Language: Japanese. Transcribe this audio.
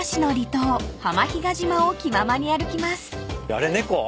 あれ猫？